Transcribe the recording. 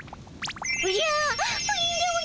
おじゃプリンでおじゃる。